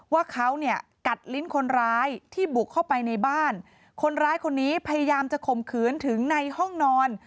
ว่าเขาเนี่ยกัดลิ้นคนร้ายที่บุกเข้าไปในบ้านคนร้ายคนนี้พยายามจะข่มขืนถึงในห้องนอน